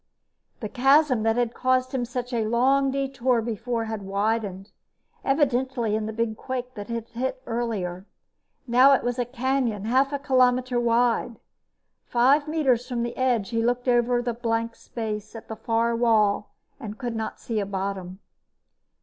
The chasm that had caused him such a long detour before had widened, evidently in the big quake that had hit earlier. Now it was a canyon, half a kilometer wide. Five meters from the edge he looked out over blank space at the far wall, and could not see the bottom.